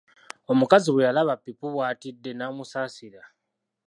Omukazi bwe yalaba pipu bw'atidde n'amusaasira.